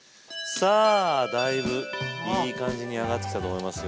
さあだいぶいい感じに揚がってきたと思いますよ。